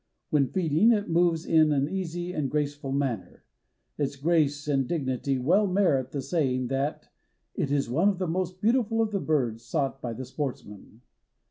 When feeding it moves in an easy and graceful manner. Its grace and dignity well merit the saying that "it is one of the most beautiful of the birds sought by the sportsman."